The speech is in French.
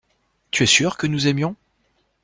Tu es sûr que nous aimions.